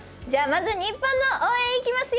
日本の応援いきますよ！